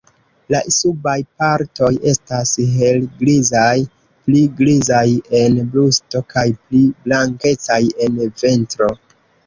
La subaj partoj estas helgrizaj, pli grizaj en brusto kaj pli blankecaj en ventro.